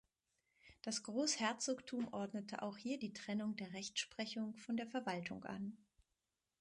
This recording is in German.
Das Großherzogtum ordnete auch hier die Trennung der Rechtsprechung von der Verwaltung an.